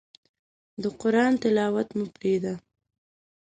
د قرآن تلاوت مه پرېږده.